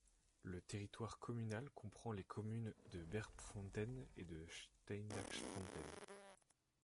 Le territoire communal comprend les communes de Bergpfronten et Steinachpfronten.